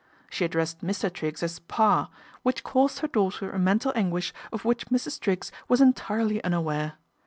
She addressed Mr. Triggs as " Pa," which caused her daughter a mental anguish of which Mrs. Triggs was entirely unaware.